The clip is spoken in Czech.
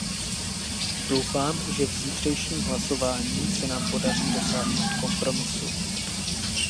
Doufám, že v zítřejším hlasování se nám podaří dosáhnout kompromisu.